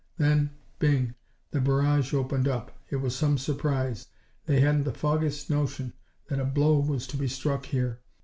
Then, bing! the barrage opened up. It was some surprise. They hadn't the foggiest notion that a blow was to be struck here.